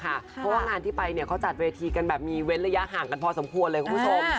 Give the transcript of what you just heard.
เพราะว่างานที่ไปเนี่ยเขาจัดเวทีกันแบบมีเว้นระยะห่างกันพอสมควรเลยคุณผู้ชม